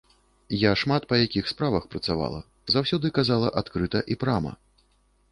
Я шмат па якіх справах працавала, заўсёды казала адкрыта і прама.